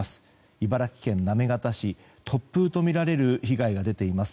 茨城県行方市、突風とみられる被害が出ています。